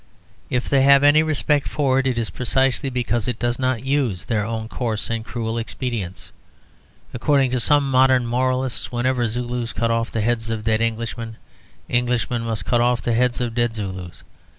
If they have any respect for it, it is precisely because it does not use their own coarse and cruel expedients. According to some modern moralists whenever Zulus cut off the heads of dead Englishmen, Englishmen must cut off the heads of dead Zulus.